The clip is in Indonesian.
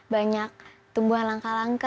banyak tumbuhan langka langka